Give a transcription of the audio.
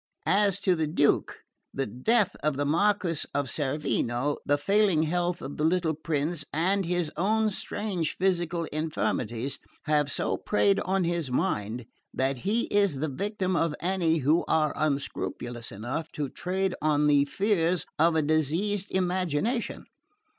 As to the Duke, the death of the Marquess of Cerveno, the failing health of the little prince, and his own strange physical infirmities, have so preyed on his mind that he is the victim of any who are unscrupulous enough to trade on the fears of a diseased imagination.